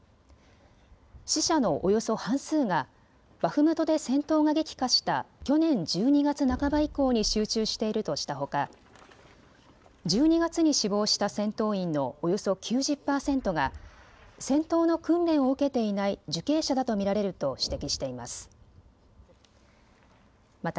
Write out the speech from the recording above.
死者のおよそ半数がバフムトで戦闘が激化した去年１２月半ば以降に集中しているとしたほか１２月に死亡した戦闘員のおよそ９０％が戦闘の訓練を受けていない受刑者だと見られると指摘しています。